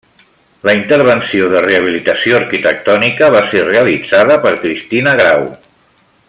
La intervenció de rehabilitació arquitectònica va ser realitzada per Cristina Grau.